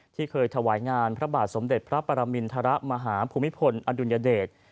ที่เคยถวายงานพระบาทสมเด็จพระปรมินทรมาหาภูมิพลอดุลยเดช